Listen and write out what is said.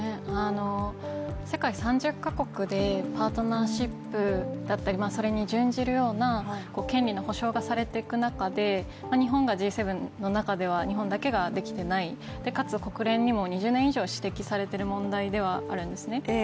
世界３０か国でパートナーシップだったり、それに準じるような権利の保障がされていく中でＧ７の中では日本だけができない、かつ国連にも２０年指摘されている問題ではあるんですね。